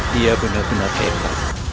dia benar benar kayak aku